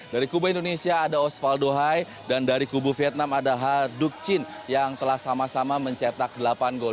dari kubu indonesia ada osvaldo hai dan dari kubu vietnam ada ha ducin yang telah sama sama mencetak delapan gol